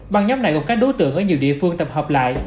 băng nhóm này gồm các đối tượng ở nhiều địa phương tập hợp lại